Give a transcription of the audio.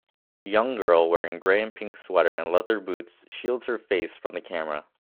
Young girl wearing gray and pink sweater and leather boots shields her face from the camera